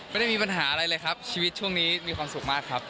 ไม่ได้มีปัญหาอะไรเลยครับชีวิตช่วงนี้มีความสุขมากครับ